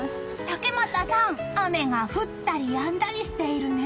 竹俣さん、雨が降ったりやんだりしているね。